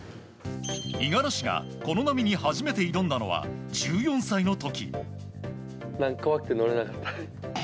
五十嵐が、この波に初めて挑んだのは１４歳の時。